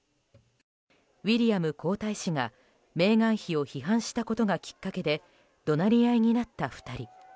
ウィリアム皇太子がメーガン妃を批判したことがきっかけで怒鳴り合いになった２人。